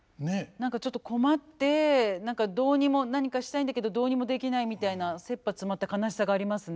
何かちょっと困って何かどうにも何かしたいんだけどどうにもできないみたいなせっぱ詰まった悲しさがありますね。